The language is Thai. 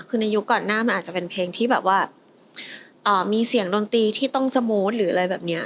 คือในยุคก่อนหน้ามันอาจจะเป็นเพลงที่แบบว่ามีเสียงดนตรีที่ต้องสมูทหรืออะไรแบบนี้